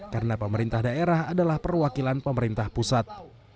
karena pemerintah daerah adalah perwakilan pemerintah pusat